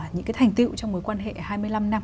những cái thành tiệu trong mối quan hệ hai mươi năm năm